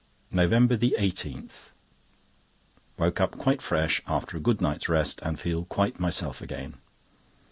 NOVEMBER 18.—Woke up quite fresh after a good night's rest, and feel quite myself again.